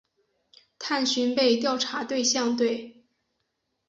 探寻被调查对象对。